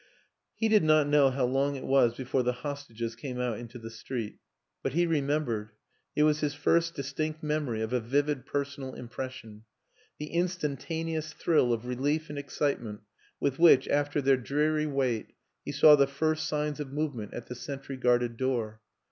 He did not know how long it was before the hostages came out into the street ; but he remem bered it was his first distinct memory of a vivid personal impression the instantaneous thrill of relief and excitement with which, after their dreary wait, he saw the first signs of move ment at the sentry guarded door.